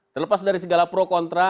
terlepas dari segala pro kontra